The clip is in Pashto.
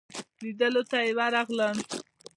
لیدلو ته ورغلم.